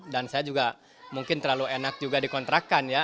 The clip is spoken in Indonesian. dan saya juga mungkin terlalu enak juga dikontrakan ya